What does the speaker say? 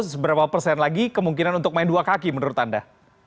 seberapa persen lagi kemungkinan untuk main dua kaki menurut anda